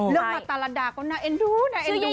เรื่องมาตรดาก็น่าเอ็นดูคุณผู้ชม